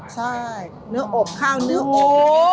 ใช่เนื้ออบข้าวเนื้อโอ